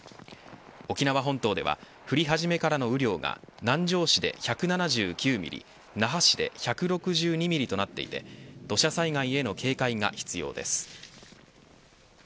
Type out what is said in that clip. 沖縄本島では降り始めからの雨量が南城市で１７９ミリ那覇市で１６２ミリとなっていて土砂災害への警戒が必要です。